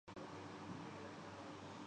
مبشر بھائی سیدھے انسان ہے اس لیے امدنی بتا دی